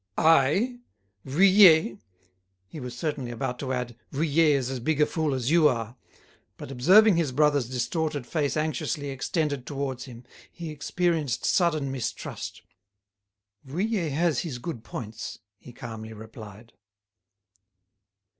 "I!—Vuillet——" He was certainly about to add, "Vuillet is as big a fool as you are." But, observing his brother's distorted face anxiously extended towards him, he experienced sudden mistrust. "Vuillet has his good points," he calmly replied.